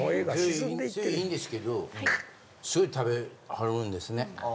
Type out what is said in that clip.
別にいいんですけどすごい食べはるんですね。